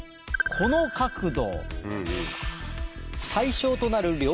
この角度。